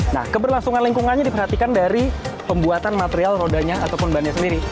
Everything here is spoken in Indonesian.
nah keberlangsungan lingkungannya diperhatikan dari pembuatan material rodanya ataupun bannya sendiri